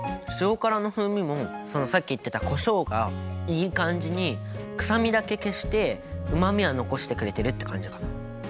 塩辛の風味もさっき言ってたこしょうがいい感じに臭みだけ消してうまみは残してくれてるって感じかな。